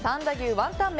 ワンタン麺